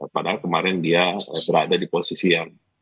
padahal kemarin dia berada di posisi yang